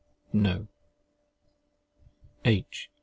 No. H.